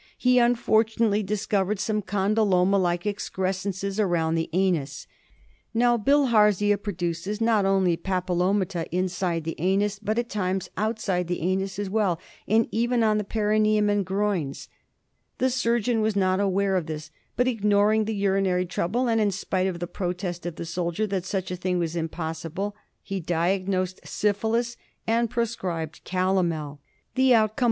He unfortunately discovered some condyloma like excrescences around the anus. Now Bilharzia produces not only papilomata inside the anus, but at times outside the anus as well, and even on the perineum and groins. The surgeon was not aware of this ; but ignoring the urinary trouble, and in spite of the protest of the soldier that such a thing was impossible, he diagnosed syphilis and prescribed calomel. The outcome FILARIASIS.